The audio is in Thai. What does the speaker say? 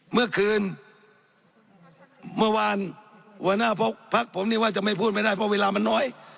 เมื่อคืนเมื่อวานหัวหน้าพักผมนี่ว่าจะไม่พูดไม่ได้เพราะเวลามันน้อย